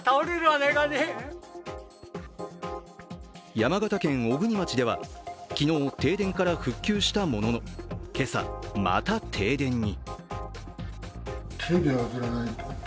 山形県小国町では昨日停電から復旧したものの今朝、また停電に。